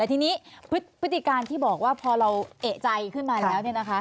แต่ทีนี้พฤติการที่บอกว่าพอเราเอกใจขึ้นมาแล้ว